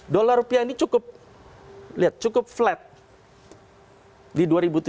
dollar rupiah ini cukup lihat cukup flat di dua ribu tujuh belas